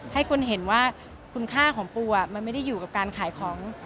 ให้คนเห็นว่าคุณค่าของปูมันไม่ได้อยู่กับการขายของ